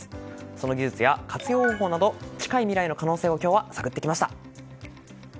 その技術や活用方法など近い未来の可能性を今日は探ってきました。